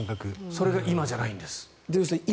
それが今じゃないんですと。